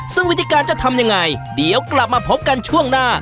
ซึ่งวิธีการจะทำยังไงเดี๋ยวกลับมาพบกันช่วงหน้า